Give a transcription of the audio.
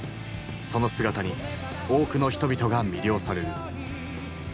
その姿に多くの人々が魅了される。